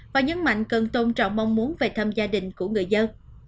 và nhấn mạnh cần tôn trọng mong muốn về thăm gia đình của người dân